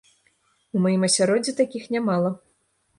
У маім асяроддзі такіх нямала.